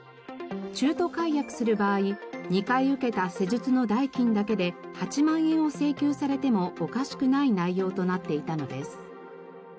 中途解約する場合２回受けた施術の代金だけで８万円を請求されてもおかしくない内容となっていたのです。